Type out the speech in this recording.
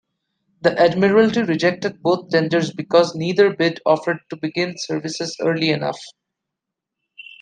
The Admiralty rejected both tenders because neither bid offered to begin services early enough.